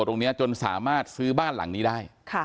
ตรงนี้จนสามารถซื้อบ้านหลังนี้ได้